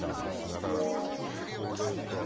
だからこれが。